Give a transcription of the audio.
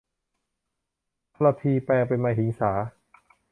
ทรพีแปลงเป็นมหิงสา